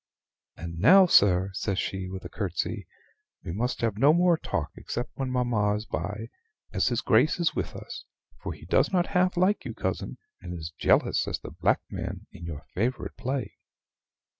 "And now, sir," says she, with a curtsy, "we must have no more talk except when mamma is by, as his Grace is with us; for he does not half like you, cousin, and is jealous as the black man in your favorite play."